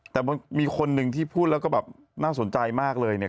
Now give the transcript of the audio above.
แต่มันมีคนหนึ่งที่พูดแล้วก็แบบน่าสนใจมากเลยเนี่ย